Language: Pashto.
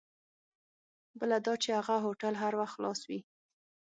بله دا چې هغه هوټل هر وخت خلاص وي.